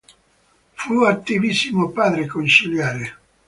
Fu attivissimo padre conciliare.